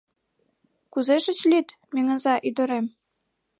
Кузе шыч лӱд, Меҥыза ӱдырем?